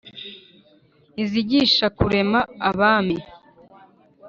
izigisha kurema abami